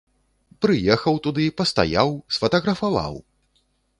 Прыехаў туды, пастаяў, сфатаграфаваў!